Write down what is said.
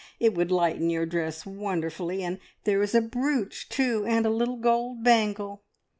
It would lighten your dress wonderfully; and there is a brooch too, and a little gold bangle."